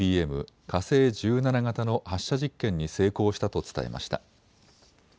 火星１７型の発射実験に成功したと伝えました。